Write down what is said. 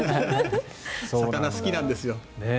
魚好きなんですよ。